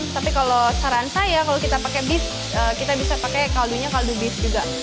tapi kalau saran saya kalau kita pakai beef kita bisa pakai kaldunya kaldu beef juga